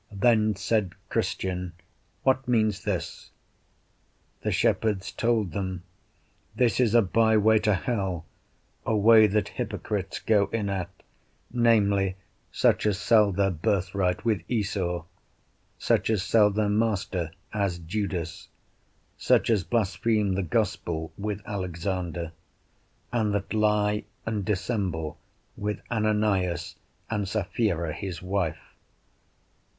Then said Christian, What means this? The shepherds told them, This is a by way to hell, a way that hypocrites go in at; namely, such as sell their birthright, with Esau; such as sell their Master, as Judas; such as blaspheme the Gospel, with Alexander; and that lie and dissemble, with Ananias and Sapphira his wife.